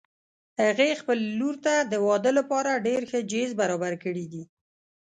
هغې خپلې لور ته د واده لپاره ډېر ښه جهیز برابر کړي دي